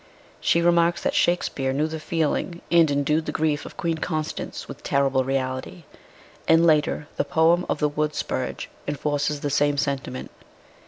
She remarks that Shakspeare knew the feeling and endued the grief of Queen Constance with terrible reality; and, later, the poem of "The Wood Spurge" enforces the same sentiment.